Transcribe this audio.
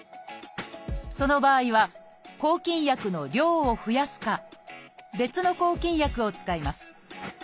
その場合は抗菌薬の量を増やすか別の抗菌薬を使います。